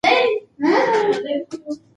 که وکیل زیرک وي نو موکل نه بندی کیږي.